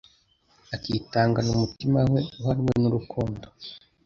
akitangana umutima we uhatwa n'urukundo.